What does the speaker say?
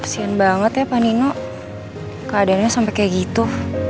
pusian banget ya panino keadaannya sampai kayak gitu